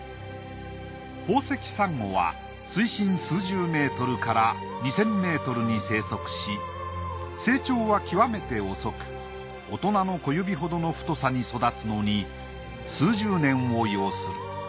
宝石サンゴは水深数十メートルから２，０００ｍに生息し成長は極めて遅く大人の小指ほどの太さに育つのに数十年を要する。